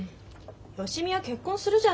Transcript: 芳美は結婚するじゃない。